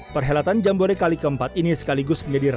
perhelatan jambore kali keempat ini sekaligus menjadi